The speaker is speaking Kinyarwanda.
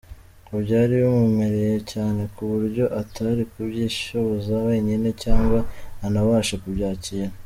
Ngo byari bimuremereye cyane ku buryo atari kubyishoboza wenyine cyangwa anabashe kubyakira.